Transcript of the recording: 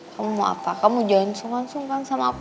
kamu mau apa kamu jangan sungkan sungkan sama aku